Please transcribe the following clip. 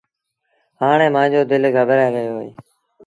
هآڻي مآݩجو دل گٻرآئي رهيو اهي۔